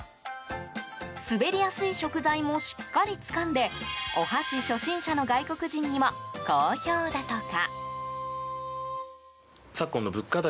滑りやすい食材もしっかりつかんでお箸初心者の外国人にも好評だとか。